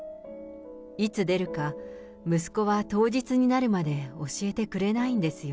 いつ出るか、息子は当日になるまで教えてくれないんですよ。